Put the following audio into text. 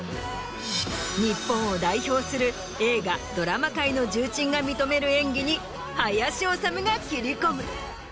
日本を代表する映画・ドラマ界の重鎮が認める演技に林修が切り込む。